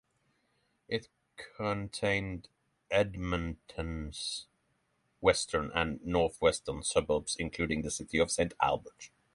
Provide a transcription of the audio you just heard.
It contained Edmonton's western and northwestern suburbs, including the city of Saint Albert.